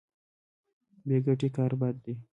بې ګټې کار بد دی.